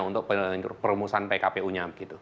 untuk perumusan pkpu nya